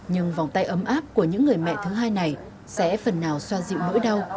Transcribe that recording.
nhưng vòng tay ấm áp của những người mẹ thứ hai này sẽ phần nào xoa dịu nỗi đau